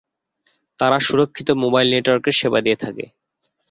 তারা খুব সুরক্ষিত মোবাইল নেটওয়ার্কের সেবা দিয়ে থাকে।